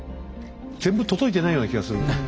全部届いてないような気がする。